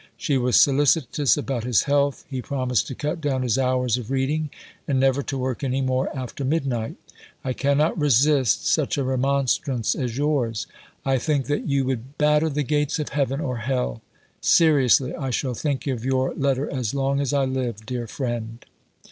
She was solicitous about his health. He promised to cut down his hours of reading, and never to work any more after midnight. "I cannot resist such a remonstrance as yours. I think that you would batter the gates of heaven or hell. Seriously, I shall think of your letter as long as I live, dear friend."